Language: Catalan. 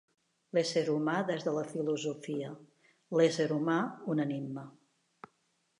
L'ésser humà des de la filosofia; l'ésser humà, un enigma